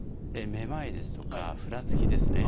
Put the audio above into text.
めまいですとかふらつきですね。